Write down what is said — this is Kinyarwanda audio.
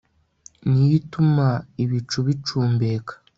ni yo ituma ibicu bicumbeka